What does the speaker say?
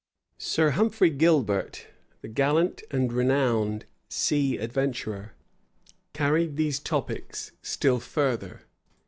Sir Humphrey Gilbert, the gallant and renowned sea adventurer, carried these topics still further.